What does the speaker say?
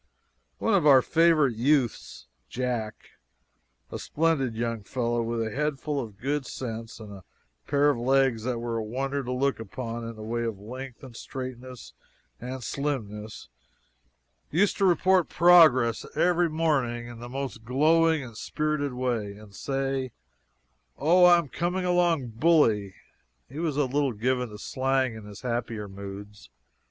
One of our favorite youths, Jack, a splendid young fellow with a head full of good sense, and a pair of legs that were a wonder to look upon in the way of length and straightness and slimness, used to report progress every morning in the most glowing and spirited way, and say: "Oh, I'm coming along bully!" (he was a little given to slang in his happier moods.)